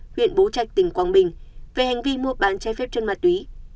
huyện bố trạch tỉnh quảng bình về hành vi mua bán trái phép chân ma túy